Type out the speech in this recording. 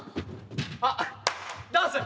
あっダンス！